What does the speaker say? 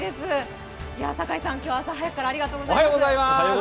堺さん、今日は朝早くからありがとうございます。